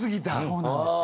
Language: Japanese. そうなんですよ。